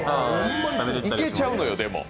いけちゃうのよ、でも。